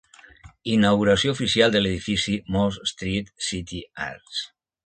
Inauguració oficial de l'edifici Moss Street City Arts.